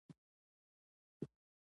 استاد د انسان عزت ته ارزښت ورکوي.